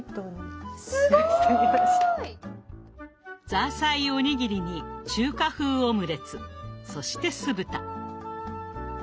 ザーサイお握りに中華風オムレツそして酢豚。